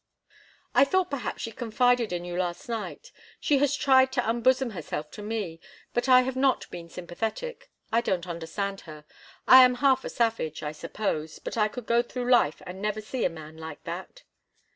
"I thought perhaps she confided in you last night. She has tried to unbosom herself to me, but I have not been sympathetic. I don't understand her. I am half a savage, I suppose, but I could go through life and never even see a man like that."